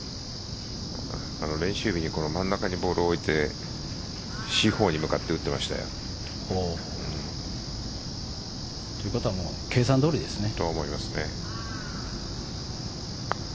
練習日に真ん中にボールを置いて四方に向かって打っていましたよ。ということは計算どおりですね。